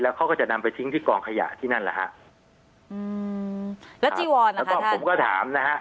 แล้วเขาก็จะนำไปทิ้งที่กองขยะที่นั่นแหละฮะแล้วก็ผมก็ถามนะฮะ